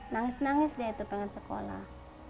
nangis nangis dia itu pengen sekolah